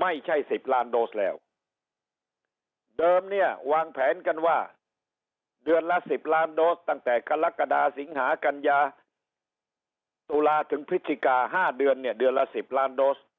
ไม่ใช่๑๐ล้านโดสแล้วเดิมเนี่ยวางแผนกันว่าเดือนละ๑๐ล้านโดสตั้งแต่กรกฎาสิงหากัญญาตุลาถึงพฤศจิกา๕เดือนเนี่ยเดือนละ๑๐ล้านโดส